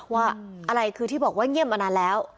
ว่าอะไรคือที่บอกว่าเงียบมานานแล้ว